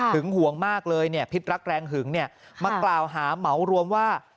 ห่วงมากเลยเนี่ยพิษรักแรงหึงมากล่าวหาเหมารวมว่า